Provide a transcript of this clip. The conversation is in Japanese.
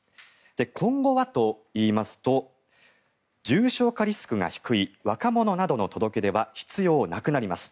今後はといいますと重症化リスクが低い若者などの届け出は必要なくなります。